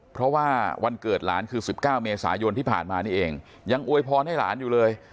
เพราะว่าวันเกิดหลานคือ๑๙เมษายนที่ผ่านมานี่เองยังอวยพรให้หลานอยู่เลย